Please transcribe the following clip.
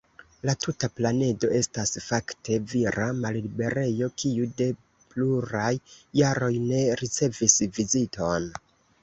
La tuta planedo estas fakte vira malliberejo kiu de pluraj jaroj ne ricevis viziton.